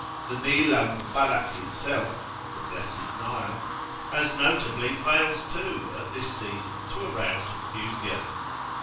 The Nil al Mubarak itself the Blessed Nile, as notably fails too at this season to arouse enthusiasm.